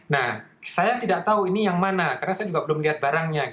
nah saya tidak tahu ini yang mana karena saya juga belum lihat barangnya